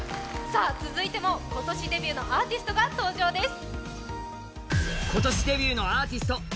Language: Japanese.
続いても今年デビューのアーティストが登場です。